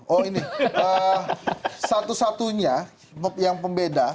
oh ini satu satunya yang pembeda